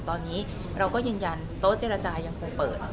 ตอนนี้เราก็ยืนยันโต๊ะเจรจายังคงเปิด